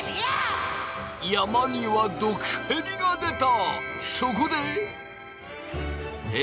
山には毒へびが出た！